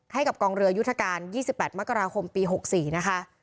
ให้กับกองเรือยุธการ๒๘มคปี๖๔นะคะ